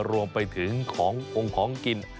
รวมไปถึงของของกิน